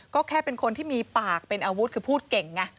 ก็แค่เป็นคนที่มีปากเป็นอาวุธคือพูดเก่งไง